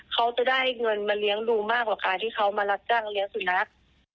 เขาจะได้เงินมาเลี้ยงดูมากกว่าการที่เขามารับจ้างเลี้ยงสุนัข